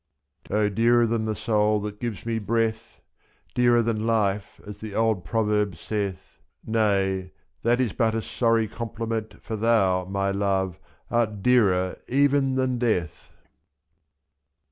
77 O dearer than the soul that gives me breathy Dearer than life, as the old proverb saith; i^^l'Nayy that is but a sorry compliment ,— For thou, my love, art dearer even than death.